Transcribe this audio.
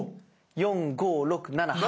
４５６７８！